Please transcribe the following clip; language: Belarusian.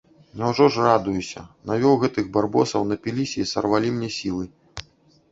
Няўжо ж радуюся, навёў гэтых барбосаў, напіліся і сарвалі мне сілы.